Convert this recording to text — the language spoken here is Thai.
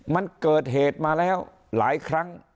มันเกิดเหตุมาแล้วหลายครั้ง